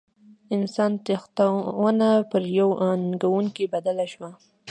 انسان تښتونه پر یوې ننګونې بدله شوه.